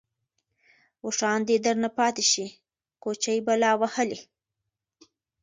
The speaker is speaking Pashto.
اوښـان دې درنه پاتې شي كوچـۍ بلا وهلې.